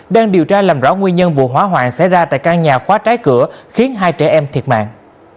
đang điều tra làm rõ nguyên nhân vụ hỏa hoạn xảy ra tại căn nhà khóa trái cửa khiến hai trẻ em thiệt mạng